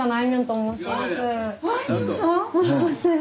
すいません。